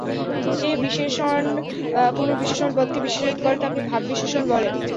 যে বিশেষণ কোন বিশেষণ পদকে বিশেষিত করে তাকে ভাববিশেষণ বলে।